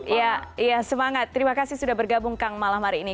iya semangat terima kasih sudah bergabung kang malam hari ini